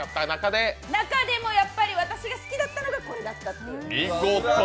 中でもやっぱり私が好きだったのがこれだったっていう。